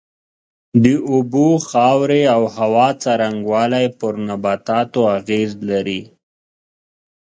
د اوبو، خاورې او هوا څرنگوالی پر نباتاتو اغېز لري.